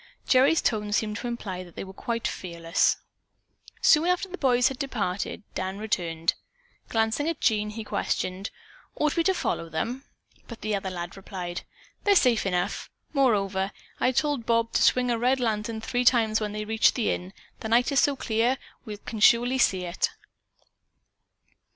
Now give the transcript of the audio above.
Gerry's tone seemed to imply that they were quite fearless. Soon after the boys had departed, Dan returned. Glancing at Jean, he questioned: "Ought we to follow them?" But the other lad replied: "They're safe enough! Moreover, I told Bob to swing a red lantern three times when they reach the inn. The night is so clear, we surely can see it."